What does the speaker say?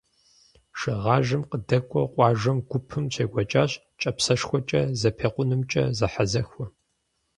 Шыгъажэм къыдэкӏуэу къуажэм гупэм щекӏуэкӏащ кӏапсэшхуэкӏэ зэпекъунымкӏэ зэхьэзэхуэ.